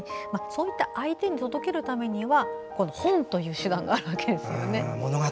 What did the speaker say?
そういった相手に届けるためには本という手段があるわけですよね。